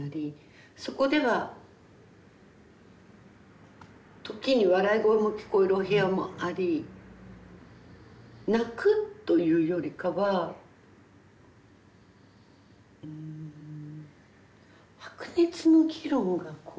そこでは時に笑い声も聞こえるお部屋もあり泣くというよりかはうん白熱の議論がこう。